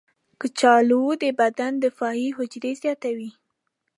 کچالو د بدن دفاعي حجرې زیاتوي.